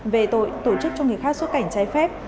về tội tổ chức cho người khác xuất cảnh trái phép